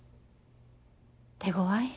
手ごわい？